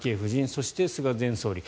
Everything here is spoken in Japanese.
そして、菅前総理。